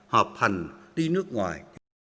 họp hành đi nước ngoài